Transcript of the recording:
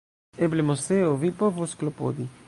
Eble, Moseo; vi povos klopodi.